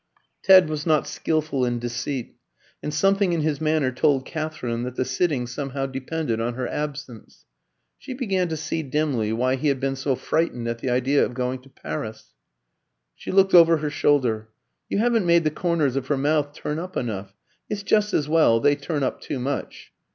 Ted was not skillful in deceit, and something in his manner told Katherine that the sitting somehow depended on her absence. She began to see dimly why he had been so frightened at the idea of going to Paris. She looked over her shoulder. "You haven't made the corners of her mouth turn up enough. It's just as well, they turn up too much."